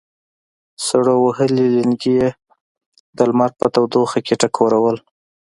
سړو وهلي لېنګي یې د لمر په تودوخه کې ټکورول.